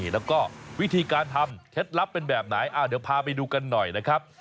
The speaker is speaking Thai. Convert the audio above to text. แล้วก็วิธีการทำเคล็ดลับเป็นแบบไหนเดี๋ยวพาไปดูกันหน่อยนะครับ